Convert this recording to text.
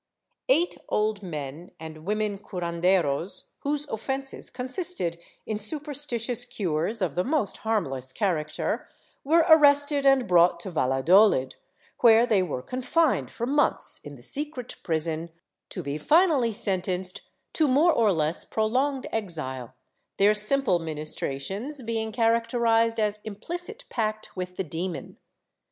Eight old men and women curcmderos, whose offences consisted in super stitious cures of the most harmless character, were arrested and brought to Valladolid, where they were confined for months in the secret prison, to be finally sentenced to more or less prolonged exile, their simple ministrations being characterized as imphcit pact with the demon.